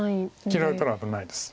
切られたら危ないです。